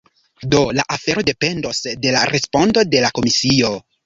Do la afero dependos de la respondo de la komisio.